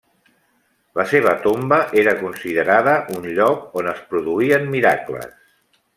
La seva tomba era considerada un lloc on es produïen miracles.